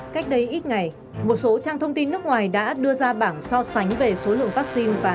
cách đây ít ngày một số trang thông tin nước ngoài đã đưa ra bảng so sánh về số lượng vaccine và